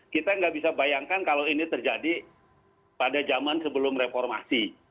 kita nggak bisa bayangkan kalau ini terjadi pada zaman sebelum reformasi